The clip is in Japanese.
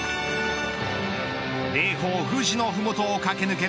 霊峰富士の麓を駆け抜ける